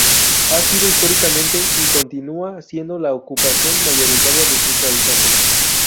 Ha sido históricamente, y continúa siendo, la ocupación mayoritaria de sus habitantes.